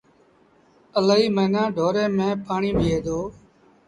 الهيٚ موهيݩآ ڍوري ميݩ پڻيٚ بيٚهي دو۔